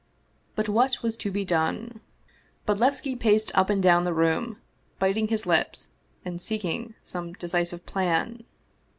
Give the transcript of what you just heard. But what was to be done? Bodlevski paced up and down the room, biting his lips, and seeking some decisive plan.